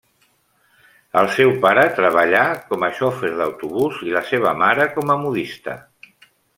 El seu pare treballà com a xofer d'autobús i la seva mare com a modista.